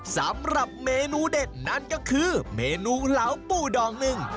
สำหรับเมนูเด็ดนั่นก็คือเมนูเหลาปูดองหนึ่ง